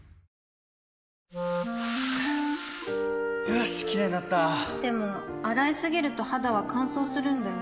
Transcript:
よしキレイになったでも、洗いすぎると肌は乾燥するんだよね